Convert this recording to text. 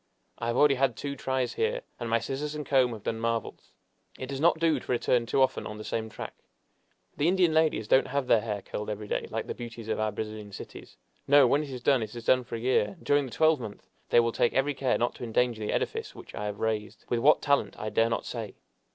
I have already had two tries here, and my scissors and comb have done marvels! It does not do to return too often on the same track. The Indian ladies don't have their hair curled every day, like the beauties of our Brazilian cities. No; when it is done, it is done for year, and during the twelvemonth they will take every care not to endanger the edifice which I have raised with what talent I dare not say.